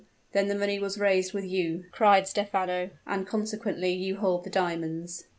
then the money was raised with you," cried Stephano, "and consequently you hold the diamonds."